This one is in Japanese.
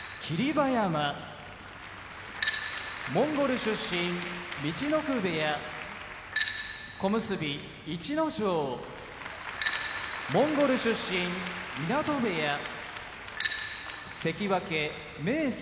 馬山モンゴル出身陸奥部屋小結・逸ノ城モンゴル出身湊部屋関脇・明生